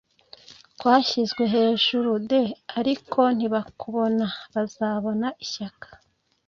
kwashyizwe hejuru d ariko ntibakubona Bazabona ishyaka